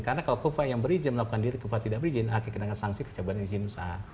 karena kalau kufa yang berizin melakukan deal kufa tidak berizin akhirnya akan kena sanksi percabaran izin usaha